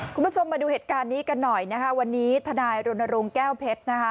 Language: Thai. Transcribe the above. คุณผู้ชมมาดูเหตุการณ์นี้กันหน่อยนะคะวันนี้ทนายรณรงค์แก้วเพชรนะคะ